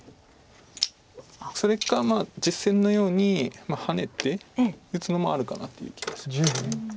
それか実戦のようにハネて打つのもあるかなっていう気はします。